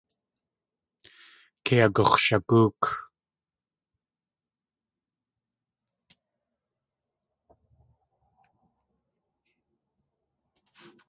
Kei agux̲shagóok.